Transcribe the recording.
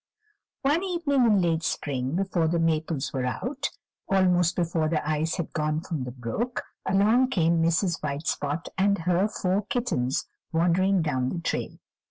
One evening in late spring, before the maples were out, almost before the ice had gone from the brook, along came Mrs. White Spot and her four kittens wandering down the trail.